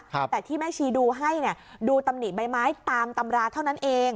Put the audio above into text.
แต่ที่แม่ชีดูให้เนี่ยดูตำหนิใบไม้ตามตำราเท่านั้นเอง